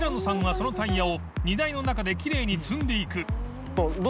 そのタイヤを拌罎涼罎きれいに積んでいく淵